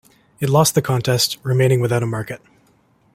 It lost the contest, remaining without a market.